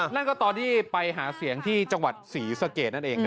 นั่นก็ตอนที่ไปหาเสียงที่จังหวัดศรีสะเกดนั่นเอง